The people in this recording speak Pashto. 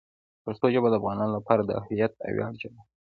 پښتو ژبه د افغانانو لپاره د هویت او ویاړ ژبه ده.